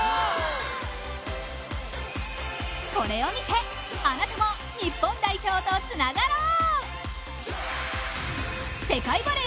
これを見て、あなたも日本代表とつながろう！